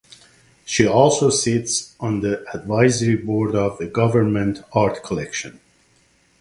She also sits on the advisory board of the Government Art Collection.